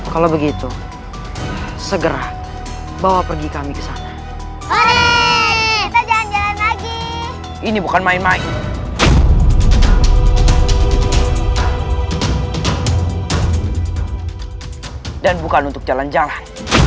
kalau begitu segera bawa pergi kami kesana lagi ini bukan main main dan bukan untuk jalan jalan